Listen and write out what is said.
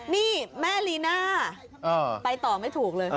นี่แม่ลีน่าไปต่อไม่ถูกเลย